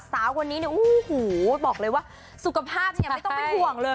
สาวคนนี้เนี่ยโอ้โหบอกเลยว่าสุขภาพเนี่ยไม่ต้องเป็นห่วงเลย